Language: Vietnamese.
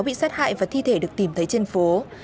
bị sát hại và thi thể được tìm thấy trên phố